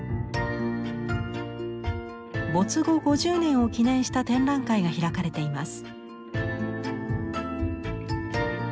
没後５０年を記念した展覧会が開かれています。